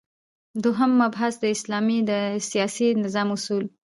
دوهم مبحث : د اسلام د سیاسی نظام اصول